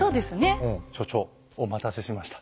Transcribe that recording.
所長お待たせしました。